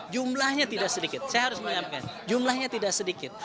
jumlahnya tidak sedikit saya harus menyampaikan jumlahnya tidak sedikit